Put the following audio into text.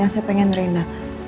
yang saya pengen rina